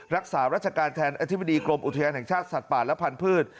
รักษารัชการแทนอธิบดีกรมอุทยานแห่งชาติสัตว์ป่าและพันธุ์